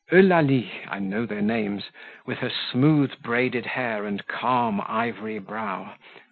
Eulalie (I know their names), with her smooth braided hair and calm ivory brow.